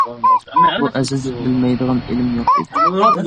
بۇ ئەزىز بىلمەيدىغان ئىلىم يوق ئىدى.